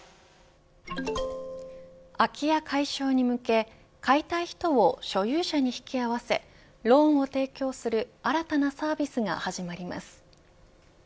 空き家解消に向け買いたい人を所有者に引き合わせローンを提供する新たなサービスが始まります。